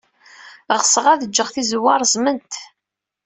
Ɣseɣ ad ǧǧeɣ tizewwa reẓment.